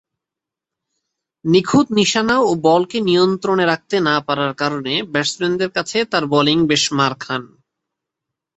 নিখুঁত নিশানা ও বলকে নিয়ন্ত্রণে রাখতে না পারার কারণে ব্যাটসম্যানদের কাছে তার বোলিং বেশ মার খান।